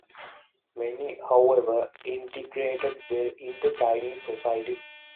Many, however, integrated well into Chinese society.